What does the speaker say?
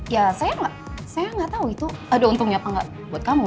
ya saya gak saya gak tau itu ada untungnya apa enggak buat kamu